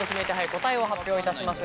答えを発表いたします。